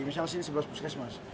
misalnya sini sebelas puskesmas